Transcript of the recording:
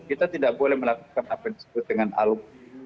kita tidak boleh melakukan apa yang disebut dengan alumni